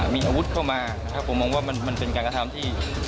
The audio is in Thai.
มีอาวุธเข้ามานะครับผมมองว่ามันเป็นการกระทำที่